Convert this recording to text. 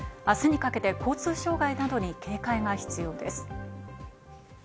明日にかけて交通障害などに警戒が必要です。